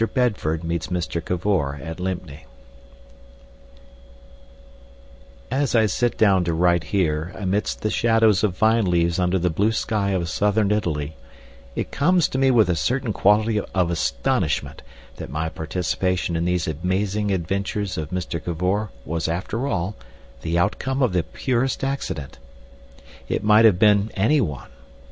Bedford Meets Mr. Cavor at Lympne As I sit down to write here amidst the shadows of vine leaves under the blue sky of southern Italy, it comes to me with a certain quality of astonishment that my participation in these amazing adventures of Mr. Cavor was, after all, the outcome of the purest accident. It might have been any one.